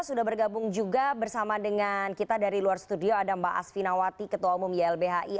sudah bergabung juga bersama dengan kita dari luar studio ada mbak asvinawati ketua umum ylbhi